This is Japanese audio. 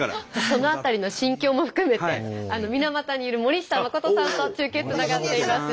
その辺りの心境も含めて水俣にいる森下誠さんと中継つながっています。